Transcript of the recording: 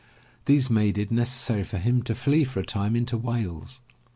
These made it neces sary for him to flee for a time into Wales.